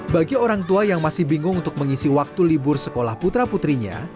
bagi orang tua yang masih bingung untuk mengisi waktu libur sekolah putra putrinya